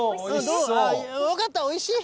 よかった、おいしい？